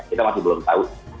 kita masih belum tahu